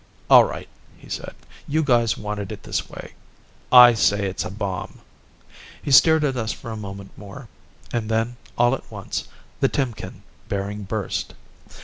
"All right," he said. "You guys wanted it this way. I say it's a bomb." He stared at us for a moment more and then, all at once, the Timkin bearing burst.